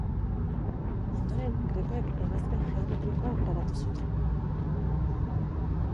Ondoren, grekoek ebazpen geometrikoa garatu zuten.